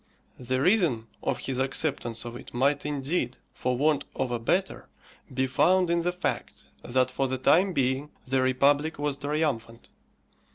The reason of his acceptance of it might, indeed, for want of a better, be found in the fact that for the time being the republic was triumphant.